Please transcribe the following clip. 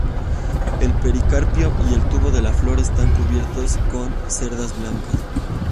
El pericarpio y el tubo de la flor están cubiertos con cerdas blancas.